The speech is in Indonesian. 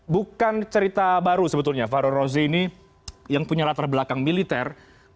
bukan cerita baru sebetulnya fahru rozi ini yang punya latar belakang militer